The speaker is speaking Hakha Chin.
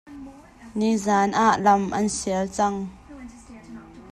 Nizaan ah lam an sial cang.